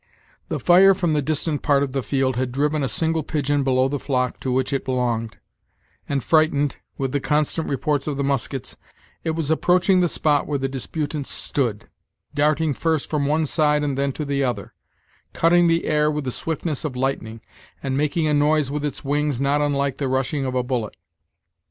The fire from the distant part of the field had driven a single pigeon below the flock to which it belonged, and, frightened with the constant reports of the muskets, it was approaching the spot where the disputants stood, darting first from One side and then to the other, cutting the air with the swiftness of lightning, and making a noise with its wings not unlike the rushing of a bullet.